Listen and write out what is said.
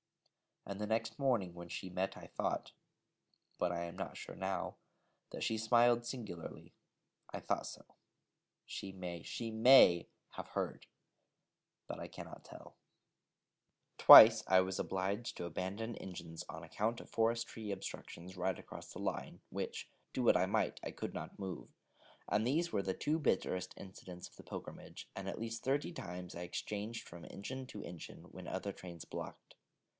And the next morning when we met I thought but am not now sure that she smiled singularly: I thought so. She may, she may, have heard But I cannot tell. Twice I was obliged to abandon engines on account of forest tree obstructions right across the line, which, do what I might, I could not move, and these were the two bitterest incidents of the pilgrimage; and at least thirty times I changed from engine to engine, when other trains blocked.